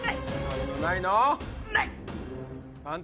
ない！